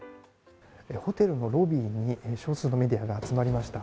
ホテルのロビーに少数のメディアが集まりました。